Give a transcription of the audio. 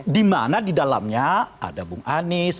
dimana di dalamnya ada bung anies